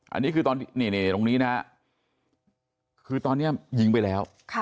อันนี้คือตอนนี้ตรงนี้นะฮะคือตอนนี้ยิงไปแล้ว